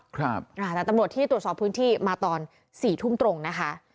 แต่ตำรวจที่ตรวจสอบพื้นที่มาตอน๔ทุ่มตรงนะคะ